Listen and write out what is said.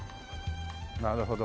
なるほど。